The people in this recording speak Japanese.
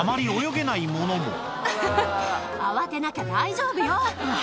慌てなきゃ大丈夫よ。